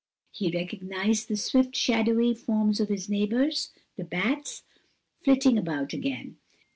He recognized the swift, shadowy forms of his neighbors, the bats, flitting about again.